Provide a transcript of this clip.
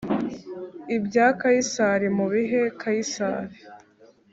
Ibya kayisari mubihe kayisari